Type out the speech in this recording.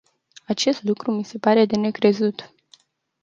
Acest lucru mi se pare de necrezut.